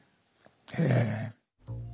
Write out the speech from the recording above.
へえ。